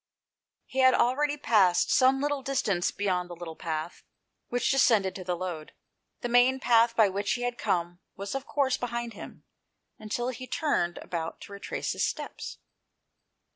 He had already passed some little distance beyond the little path which descended to the Lode. The main path by which he had come was of course behind him, until he turned about to retrace his steps.